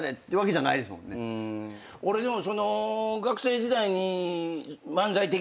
俺でも。